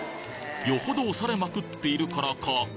よほど押されまくっているからか？